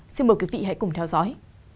xin mời quý vị hãy cùng theo dõi